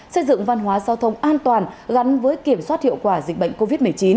xây dựng văn hóa giao thông an toàn gắn với kiểm soát hiệu quả dịch bệnh covid một mươi chín